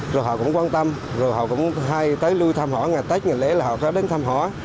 rồi họ cũng quan tâm rồi họ cũng hay tới lưu thăm hỏi ngày tết ngày lễ là họ có đến thăm hỏi